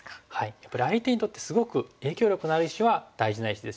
やっぱり相手にとってすごく影響力のある石は大事な石ですし。